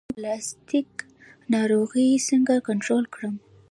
د وریجو بلاست ناروغي څنګه کنټرول کړم؟